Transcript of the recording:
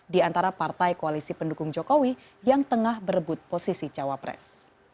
di antara partai koalisi pendukung jokowi yang tengah berebut posisi cawapres